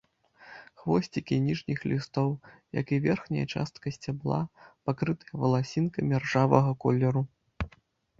Хвосцікі ніжніх лістоў, як і верхняя частка сцябла, пакрытыя валасінкамі ржавага колеру.